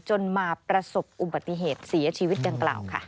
จนมาประสบอุบัติเหตุเสียชีวิตดังกล่าวค่ะ